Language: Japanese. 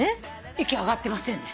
息上がってませんね。